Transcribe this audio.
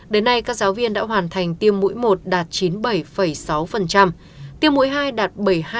đến nay các giáo viên đã hoàn thành tiêm mũi một đạt chín mươi bảy sáu tiêm mũi hai đạt bảy mươi hai tám mươi năm